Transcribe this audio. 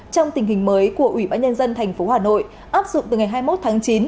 trong tình hình mới của ủy ban nhân dân tp hà nội áp dụng từ ngày hai mươi một tháng chín